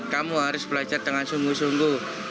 kamu harus belajar dengan sungguh sungguh